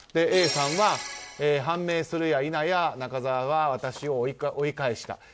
Ａさんは判明するや否や中澤は私を追い返した。